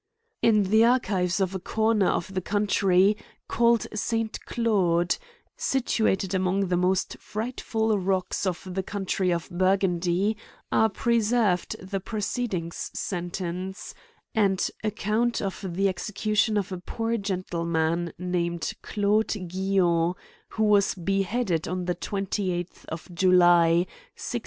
In the archives of a corner of the country, cal led St. Claude, situated among the most frightful rocks of the county of Burgundy, are preserved the proceedings sentence, and account of the exe cution of a poor gen I man, named Claude Gail Ion, who was beheaded on the twenty eighth of July 1629.